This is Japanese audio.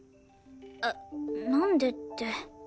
えっなんでって。